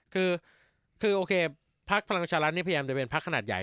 คือโอเคภาคพลังวิชารัตน์นี่พยายามจะเป็นภาคขนาดใหญ่